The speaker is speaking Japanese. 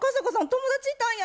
友達いたんや。